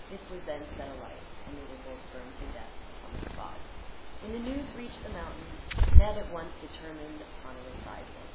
This was then set alight, and they were burned to death, upon the spot. When the news reached the mountains, Ned at once determined upon a reprisal.